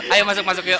ayo masuk masuk yuk